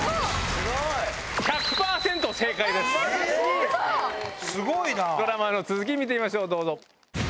ウソ⁉ドラマの続き見てみましょうどうぞ。